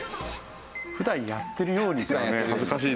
普段やってるようにって恥ずかしいですけど。